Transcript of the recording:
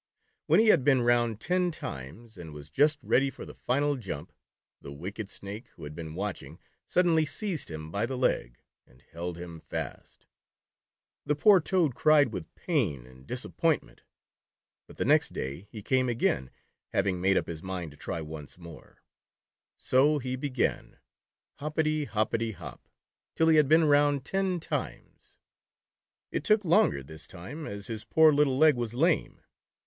When he had been round ten times and was just ready for the final jump, the wicked Snake, who had been watching, suddenly seized him by the leg, and held him fast. The poor Toad cried with pain and disappointment ; but the next day he came again, having made up his mind to try once more. So he began, hop i ty, hop i ty, hop," till he had been round ten times. It took longer this time, as his poor little leg was lame.